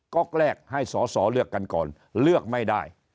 ก๊อกแรกให้สอสอเลือกกันก่อนเลือกไม่ได้